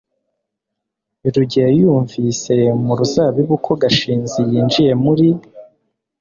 rugeyo yumvise mu ruzabibu ko gashinzi yinjiye muri